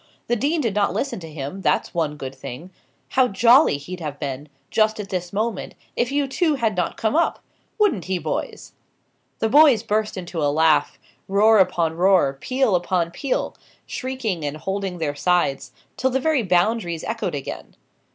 The dean did not listen to him, that's one good thing. How jolly he'd have been, just at this moment, if you two had not come up! Wouldn't he, boys?" The boys burst into a laugh; roar upon roar, peal upon peal; shrieking and holding their sides, till the very Boundaries echoed again.